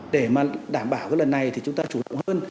để mà đảm bảo cái lần này thì chúng ta chủ động hơn